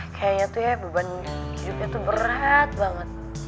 kayaknya tuh ya beban hidupnya tuh berat banget